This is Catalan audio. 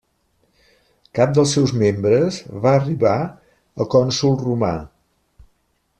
Cap dels seus membres va arribar a cònsol romà.